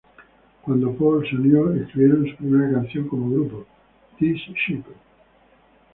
Cuando Paul se unió escribieron su primera canción como grupo "This Ship".